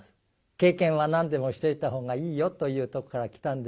経験は何でもしといた方がいいよというとこから来たんでしょう。